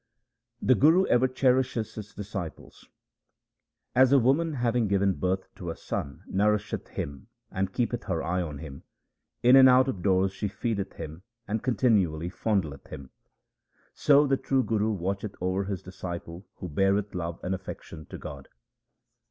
The Guru ever cherishes his disciples :— As a woman having given birth to a son nourisheth him and keepeth her eye on him — In and out of doors she feedeth him and continually fondleth him — So the true Guru watcheth over his disciple who beareth love and affection to God.